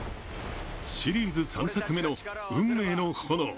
シリーズ３作目の「運命の炎」。